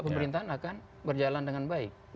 pemerintahan akan berjalan dengan baik